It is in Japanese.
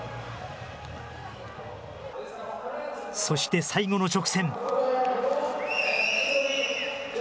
そして最後の直線。